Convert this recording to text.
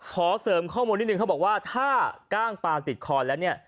ขอเสริมข้อมูลนิดนึงเขาบอกว่าถ้ากล้างปลาติดคอแล้วเนี่ย